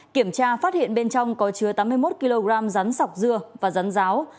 kiểm tra phát hiện bên trong có chứa tám mươi một kg rắn sọc dưa và rắn ráo